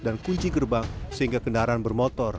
dan kunci gerbang sehingga kendaraan bermotor